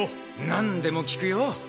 何でも聞くよォ！